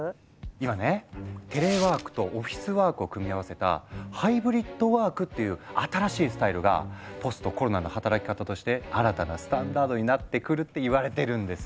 今ねテレワークとオフィスワークを組み合わせた「ハイブリッドワーク」っていう新しいスタイルがポストコロナの働き方として新たなスタンダードになってくるっていわれてるんですよ。